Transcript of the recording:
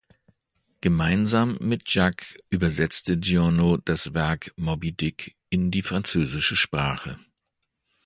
Gemeinsam mit Jacques übersetzte Giono das Werk "Moby Dick" in die französische Sprache.